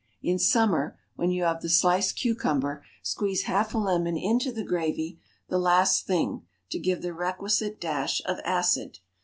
In summer when you have the sliced cucumber, squeeze half a lemon into the gravy, the last thing, to give the requisite dash of acid.